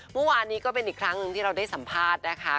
เมื่อวานนี้ก็เป็นอีกครั้งหนึ่งที่เราได้สัมภาษณ์นะคะ